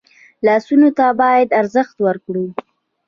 لاسونه ته باید ارزښت ورکړو